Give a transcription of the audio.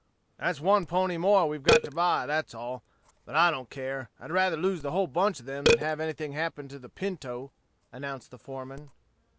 "That's one pony more we've got to buy, that's all. But I don't care. I'd rather lose the whole bunch of them than have anything happen to the Pinto," announced the foreman.